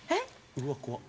うわ怖っ。